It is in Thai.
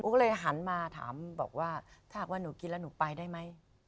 ก็เลยหันมาถามบอกว่าถ้าหากว่าหนูกินแล้วหนูไปได้ไหม